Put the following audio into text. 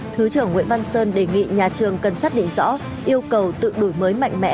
thứ trưởng nguyễn văn sơn đề nghị nhà trường cần xác định rõ yêu cầu tự đổi mới mạnh mẽ